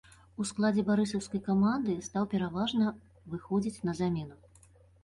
У складзе барысаўскай каманды стаў пераважна выхадзіць на замену.